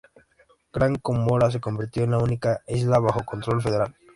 Gran Comora se convirtió en la única isla bajo control federal.